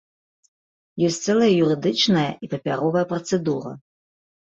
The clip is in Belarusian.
Ёсць цэлая юрыдычная і папяровая працэдура.